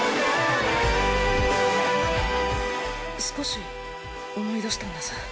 少し思い出したんです。